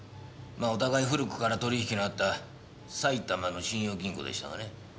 まあお互い古くから取引のあった埼玉の信用金庫でしたがね。